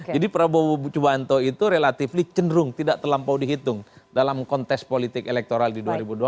jadi prabowo subianto itu relatif cenderung tidak terlampau dihitung dalam kontes politik elektoral di dua ribu dua puluh empat